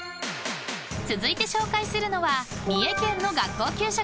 ［続いて紹介するのは三重県の学校給食］